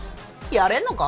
やれんのか？